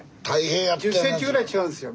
１０センチぐらい違うんですよ